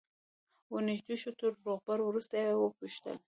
ور نژدې شو تر روغبړ وروسته یې وپوښتل.